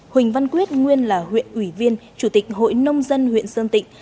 huỳnh văn quyết nguyên là huyện ủy viên chủ tịch hội nông dân huyện sơn tịnh